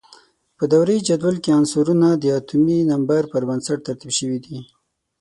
په دوره یي جدول کې عنصرونه د اتومي نمبر پر بنسټ ترتیب شوي دي.